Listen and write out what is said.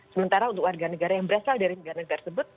sementara untuk warga negara yang berasal dari negara negara tersebut